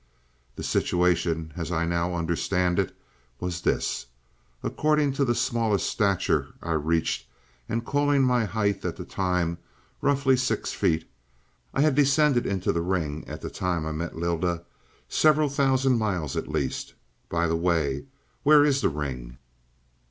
"The situation, as I now understand it, was this: According to the smallest stature I reached, and calling my height at that time roughly six feet, I had descended into the ring at the time I met Lylda several thousand miles, at least. By the way, where is the ring?"